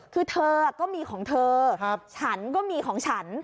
คือเธอก็มีของเธอฉันก็มีของฉัน